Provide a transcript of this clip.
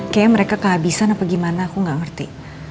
kayaknya mereka kehabisan apa gimana aku gak ngerti